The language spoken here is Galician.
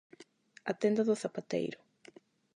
"A tenda do zapateiro".